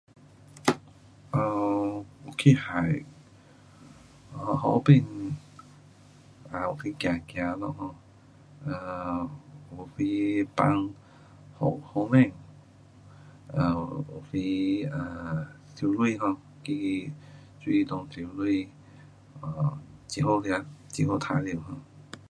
um 去海，um 河边，啊有去走走咯 um，有时放风，风筝，有时啊，游泳咯，去水内游泳，um 很好玩耍。